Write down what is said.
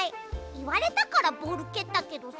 いわれたからボールけったけどさ。